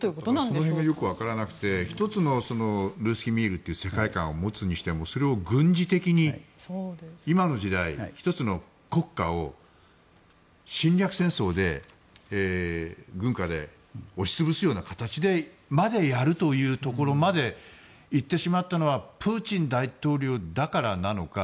その辺がよくわからなくて１つのルースキー・ミールという世界観を持つにしてもそれを軍事的に今の時代１つの国家を侵略戦争で軍靴で押し潰すようなことまでやると行ってしまったのはプーチン大統領だからなのか